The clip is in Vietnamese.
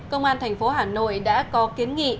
công an thành phố hà nội đã có kiến nghị